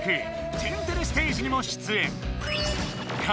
「天てれステージ」にも出演。